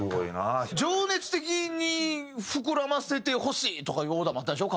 「情熱的に膨らませてほしい」とかいうオーダーもあったんでしょ？